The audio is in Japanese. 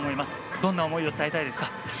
どんな思いを伝えたいですか。